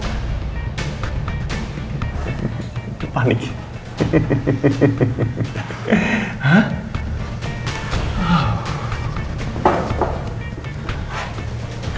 jangan jalanin gue